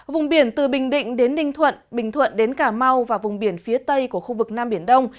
vùng biển từ bình định đến ninh thuận bình thuận đến cà mau và vùng biển phía tây của khu vực nam biển đông